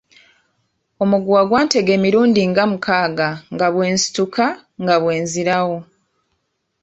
Omuguwa gwantega emirundi nga mukaaga nga bwe nsituka nga bwe nzirawo.